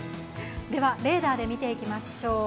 ではレーダーで見ていきましょう。